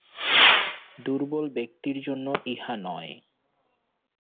দুর্বল ব্যক্তির জন্য ইহা নয়।